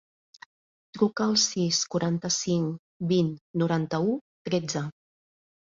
Truca al sis, quaranta-cinc, vint, noranta-u, tretze.